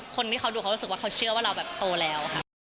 คนที่เขาดูเขารู้สึกว่าเขาเชื่อว่าเราแบบโตแล้วค่ะ